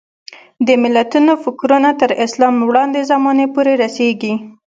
د متلونو فکرونه تر اسلام وړاندې زمانې پورې رسېږي